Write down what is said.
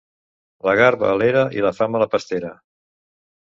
La garba a l'era i la fam a la pastera.